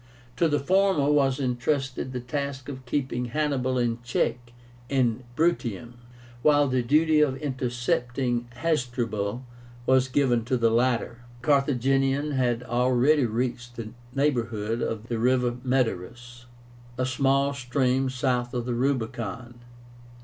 To the former was intrusted the task of keeping Hannibal in check in Bruttium, while the duty of intercepting Hasdrubal was given to the latter. The Carthaginian had already reached the neighborhood of the river Metaurus, a small stream south of the Rubicon.